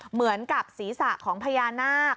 เหมือนกับศีรษะของพญานาค